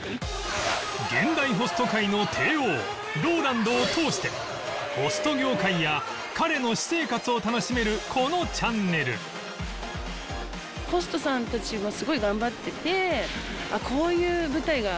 現代ホスト界の帝王 ＲＯＬＡＮＤ を通してホスト業界や彼の私生活を楽しめるこのチャンネルっていうのが。